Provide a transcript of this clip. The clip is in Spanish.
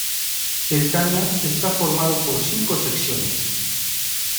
El "Tania" está formado por cinco secciones.